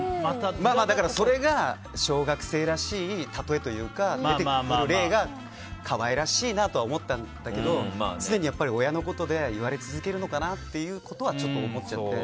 だからそれが小学生らしいたとえというか出てくる例が可愛らしいなとは思ったんだけど常に親のことで言われ続けるのかなということはちょっと思っちゃって。